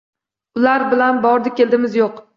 Ular bilan bordi-keldimiz yo‘q